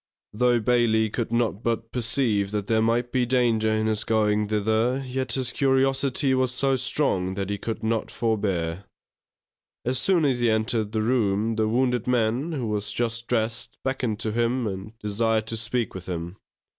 _ Though Bailey could not but perceive that there might be danger in his going thither, yet his curiosity was so strong that he could not forbear. As soon as he entered the room the wounded man, who was just dressed, beckoned to him, and desired to speak with him.